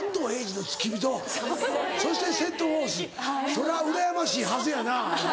それはうらやましいはずやな。